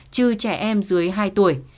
chứ trẻ em dưới hai tuổi